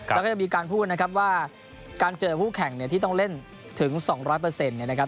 แล้วก็จะมีการพูดนะครับว่าการเจอคู่แข่งเนี่ยที่ต้องเล่นถึง๒๐๐เนี่ยนะครับ